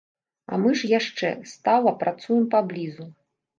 А мы ж яшчэ стала працуем паблізу.